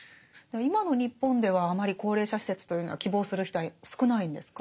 今の日本ではあまり高齢者施設というのは希望する人は少ないんですか？